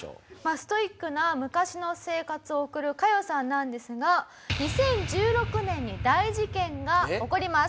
ストイックな昔の生活を送るカヨさんなんですが２０１６年に大事件が起こります。